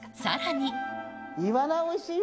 イワナ、おいしいよ。